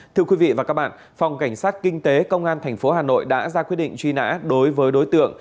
thưa quý vị và các bạn phòng cảnh sát kinh tế công an tp hà nội đã ra quyết định truy nã đối với đối tượng